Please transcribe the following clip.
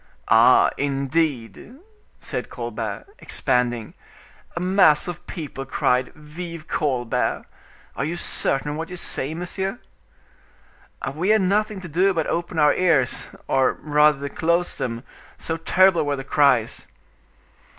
"Ah! indeed," said Colbert, expanding. "A mass of people cried 'Vive Colbert!' Are you certain of what you say, monsieur?" "We had nothing to do but open our ears, or rather to close them, so terrible were the cries."